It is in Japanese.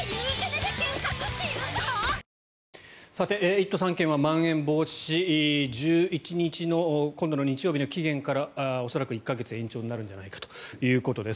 １都３県はまん延防止１１日の今度の日曜日の期限から恐らく１か月延長になるんじゃないかということです。